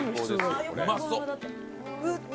うまそう！